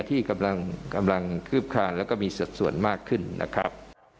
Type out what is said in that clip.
ที่กำลังคืบคลานแล้วก็มีสัดส่วนมากขึ้นนะครับ